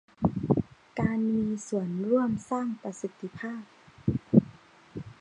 การมีส่วนร่วมสร้างประสิทธภาพ